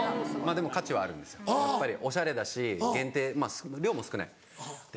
でも価値はあるんですよやっぱりおしゃれだし限定量も少ない。